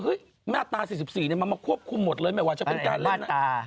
มาตรา๔๔มันมาควบคุมหมดเลยไม่ว่าจะเป็นการเล่นนะ